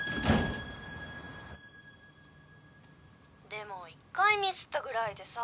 でも１回ミスったぐらいでさ。